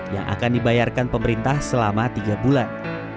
yang akan dibayarkan pemerintah selama tiga bulan